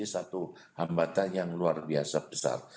jadi satu hambatan yang luar biasa besar